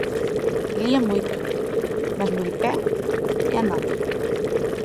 Lía moito, mesmo de pé e andando.